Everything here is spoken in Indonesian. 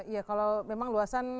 iya kalau memang luasan